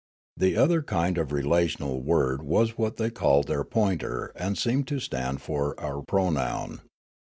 The other kind of relational word was what they called their pointer and seemed to stand for our pronoun.